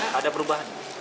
sama aja ada perubahan